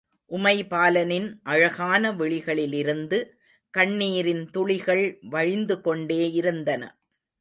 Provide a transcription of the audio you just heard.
உமைபாலனின் அழகான விழிகளிலிருந்து கண்ணீரின் துளிகள் வழிந்துகொண்டே இருந்தன.